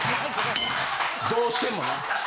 どうしてもね。